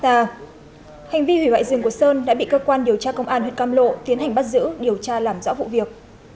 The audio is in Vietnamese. hành vi hủy hoại rừng của sơn đã bị cơ quan điều tra công an huyện cam lộ tiến hành bắt giữ điều tra làm rõ vụ việc